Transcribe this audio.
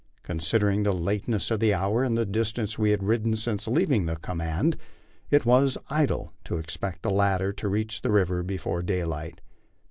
Considering the lateness of the hour, and the distance we had ridden since lear ing the command, it was idle to expect the latter to reach the river before day light.